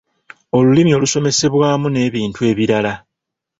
Olulimi olusomesezebwamu n’ebintu ebirala.